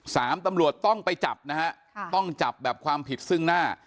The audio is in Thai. สามตำรวจต้องไปจับต้องจับแบบความผิดซึ่งหน้า